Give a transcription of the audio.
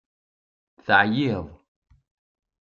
Teɛyiḍ.